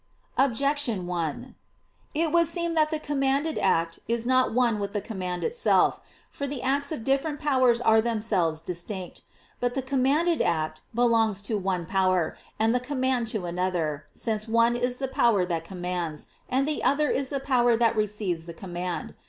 Objection 1: It would seem that the commanded act is not one with the command itself. For the acts of different powers are themselves distinct. But the commanded act belongs to one power, and the command to another; since one is the power that commands, and the other is the power that receives the command.